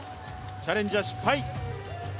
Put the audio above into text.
チャレンジは失敗。